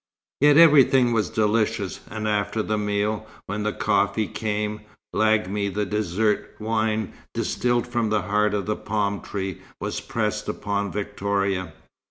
Yet everything was delicious; and after the meal, when the coffee came, lagmi the desert wine distilled from the heart of a palm tree, was pressed upon Victoria.